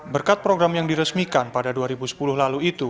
berkat program yang diresmikan pada dua ribu sepuluh lalu itu